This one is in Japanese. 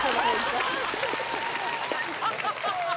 ハハハハ！